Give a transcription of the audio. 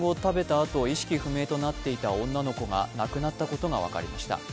あと意識不明となっていた女の子が亡くなったことが分かりました。